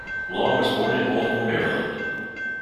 Long was born in Baltimore, Maryland.